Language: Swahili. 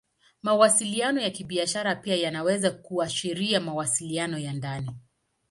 Mawasiliano ya Kibiashara pia yanaweza kuashiria mawasiliano ya ndani.